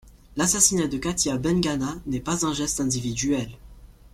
L'assassinat de Katia Bengana n'est pas un geste individuel.